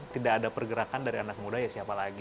tidak ada pergerakan dari anak muda ya siapa lagi